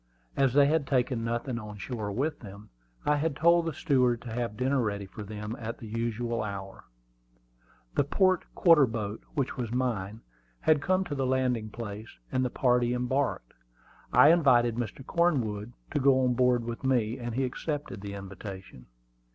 As they had taken nothing on shore with them, I had told the steward to have dinner ready for them at the usual hour. The port quarter boat, which was mine, had come to the landing place, and the party embarked. I invited Mr. Cornwood to go on board with me, and he accepted the invitation.